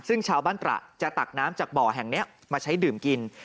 ซึ่งชาวบ้านตระจะตักน้ำจากบ่อแห่งนี้มาใช้ดื่มกิน